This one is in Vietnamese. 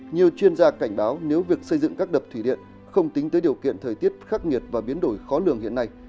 nhiều chuyên gia cảnh báo nếu việc xây dựng các đập thủy điện không tính tới điều kiện thời tiết khắc nghiệt và biến đổi khó lường hiện nay